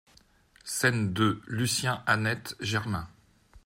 SCÈNE deux LUCIEN, ANNETTE, GERMAIN.